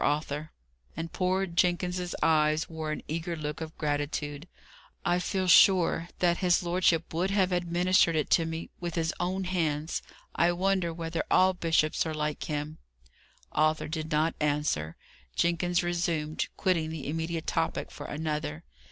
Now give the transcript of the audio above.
Arthur" and poor Jenkins's eyes wore an eager look of gratitude "I feel sure that his lordship would have administered it to me with his own hands. I wonder whether all bishops are like him!" Arthur did not answer. Jenkins resumed, quitting the immediate topic for another.